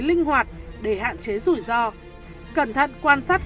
linh hoạt để hạn chế rủi ro cẩn thận quan sát